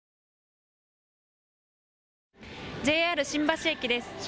ＪＲ新橋駅です。